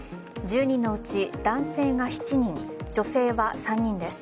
１０人のうち、男性が７人女性は３人です。